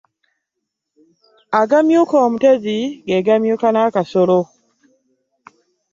Ag'amyuka omuteezi g'e gamyuka n'akasolo .